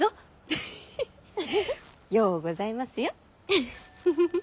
ウッフフようございますよ。